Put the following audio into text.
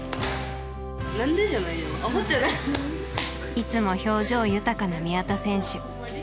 いつも表情豊かな宮田選手。